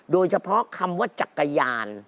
โดยเฉพาะคำว่าจักรยาน